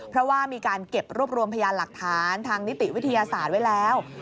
เพราะว่ามีการเก็บรวบรวมพยานหลักฐานทางนิติวิทยาศาสตร์ไว้แล้ว